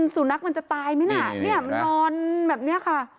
สูนักมันจะตายไหมนะนอนแบบนี้ค่ะ